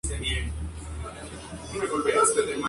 Johnson et al.